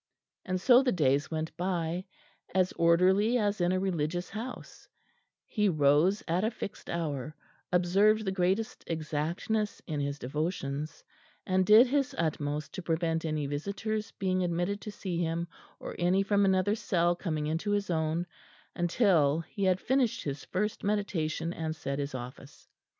And so the days went by, as orderly as in a Religious House; he rose at a fixed hour, observed the greatest exactness in his devotions, and did his utmost to prevent any visitors being admitted to see him, or any from another cell coming into his own, until he had finished his first meditation and said his office.